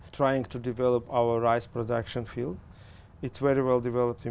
nhưng thực sự thức ăn ở đây tuyệt vời